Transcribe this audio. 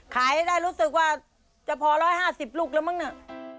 ขายได้รู้สึกว่าจะพอ๑๕๐ลูกแล้วมั้งน่ะ